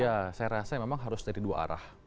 ya saya rasa memang harus dari dua arah